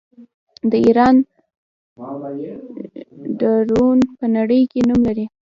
د ایران ډرون په نړۍ کې نوم لري.